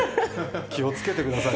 気をつけてくださいね。